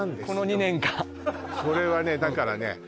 この２年間それはねだからね